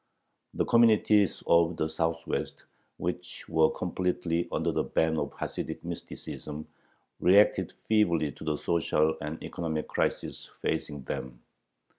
The communities of the Southwest, which were completely under the ban of Hasidic mysticism, reacted feebly to the social and economic crisis facing them.